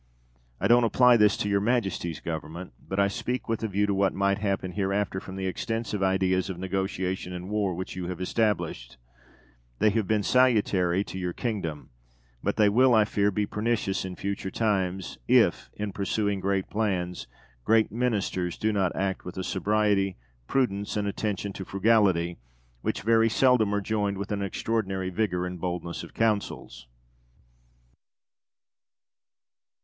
I don't apply this to your Majesty's government; but I speak with a view to what may happen hereafter from the extensive ideas of negotiation and war which you have established: they have been salutary to your kingdom; but they will, I fear, be pernicious in future times, if in pursuing great plans great Ministers do not act with a sobriety, prudence, and attention to frugality, which very seldom are joined with an extraordinary vigour and boldness of counsels.